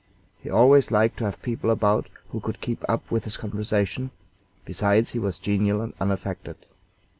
He always liked to have people about who could keep up with his conversation; besides, he was genial and unaffected.